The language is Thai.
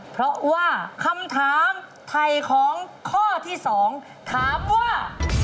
เพราะว่าคำถามไถ่ของข้อที่๒ถามว่า